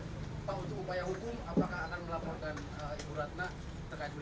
pak itu upaya hukum apakah akan melaporkan ibu rana